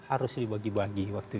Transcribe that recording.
harus dibagi bagi waktunya